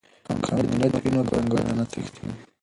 که امنیت وي نو پانګونه نه تښتي.